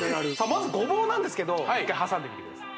まずゴボウなんですけど一回挟んでみてください